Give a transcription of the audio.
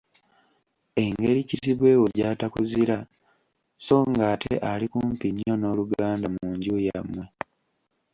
Engeri kizibwe wo gy’atakuzira so ng’ate ali kumpi nnyo n’oluganda mu nju yammwe.